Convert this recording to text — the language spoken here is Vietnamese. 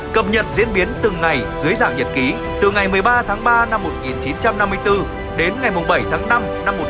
cập nhật diễn biến từng ngày dưới dạng nhật ký từ ngày một mươi ba tháng ba năm một nghìn chín trăm năm mươi bốn đến ngày bảy tháng năm năm một nghìn chín trăm bốn mươi bốn